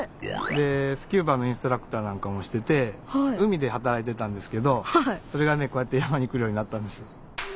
えっ！？でスキューバのインストラクターなんかもしてて海で働いてたんですけどそれがねこうやって山に来るようになったんです。